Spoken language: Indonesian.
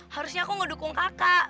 harusnya aku gak dukung kakak